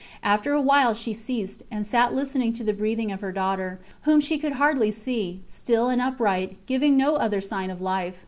After a while she ceased, and sat listening to the breathing of her daughter, whom she could hardly see, still and upright, giving no other sign of life.